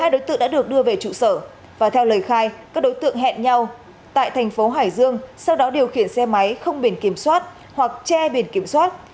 hai đối tượng đã được đưa về trụ sở và theo lời khai các đối tượng hẹn nhau tại thành phố hải dương sau đó điều khiển xe máy không biển kiểm soát hoặc che biển kiểm soát